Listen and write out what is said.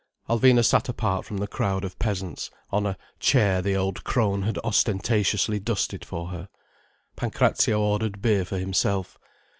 Alvina sat apart from the crowd of peasants, on a chair the old crone had ostentatiously dusted for her. Pancrazio ordered beer for himself.